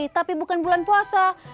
tapi bukan bulan puasa